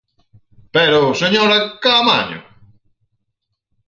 ¡Pero, señora Caamaño!